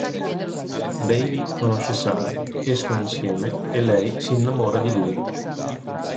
Bailey conosce Sarah, escono insieme, e lei si innamora di lui.